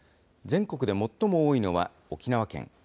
全国で最も多いのは沖縄県。